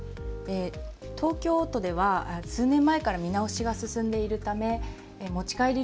東京都では数年前から見直しが進んでいるため持ち帰り